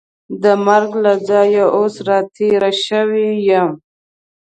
د مرګ له ځایه اوس را تېره شوې یم.